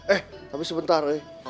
eh tapi sebentar woy